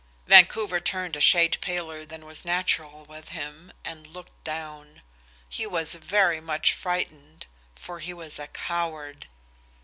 Vancouver turned a shade paler than was natural with him, and looked down. He was very much frightened, for he was a coward.